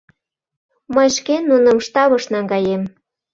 - Мый шке нуным штабыш наҥгаем.